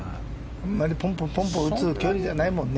あまりポンポン、ポンポン打つ距離じゃないもんね。